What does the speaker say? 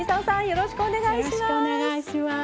よろしくお願いします。